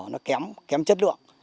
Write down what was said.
nó kém chất lượng